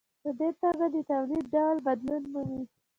په دې توګه د تولید ډول بدلون مومي.